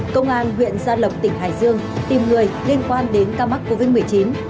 công an huyện gia lộc tỉnh hải dương tìm người liên quan đến ca mắc covid một mươi chín